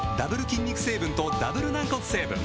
筋肉成分とダブル軟骨成分